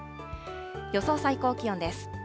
予想最高気温です。